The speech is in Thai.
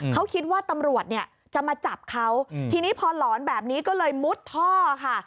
เขาคิดว่าตำรวจเนี่ยจะมาจับเขาทีนี้พอหลอนแบบนี้ก็เลยมุดท่อค่ะ